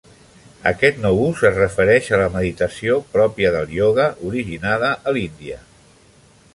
Aquest nou ús es refereix a la meditació pròpia del ioga, originada a Índia.